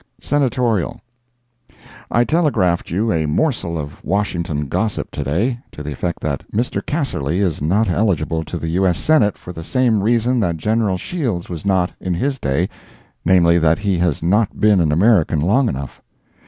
Senatorial. I telegraphed you a morsel of Washington gossip, to day, to the effect that Mr. Casserly is not eligible to the U.S. Senate for the same reason that General Shields was not, in his day—namely, that he has not been an American long enough.